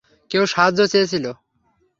কেউ সাহায্য চেয়েছিল।